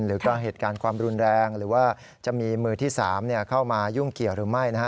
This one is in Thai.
หรือก็เหตุการณ์ความรุนแรงหรือว่าจะมีมือที่๓เข้ามายุ่งเกี่ยวหรือไม่นะฮะ